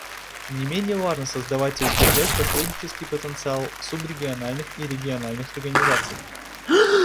Не менее важно создавать и укреплять посреднический потенциал субрегиональных и региональных организаций.